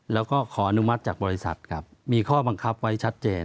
แล้วก็ขออนุมัติจากบริษัทครับมีข้อบังคับไว้ชัดเจน